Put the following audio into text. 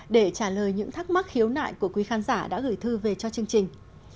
để trả lời những thắc mắc khiếu nại của quý khán giả đã gửi thư về cho chương trình